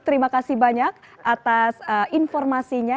terima kasih banyak atas informasinya